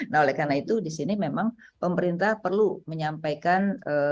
nah oleh karena itu di sini memang pemerintah perlu menyampaikan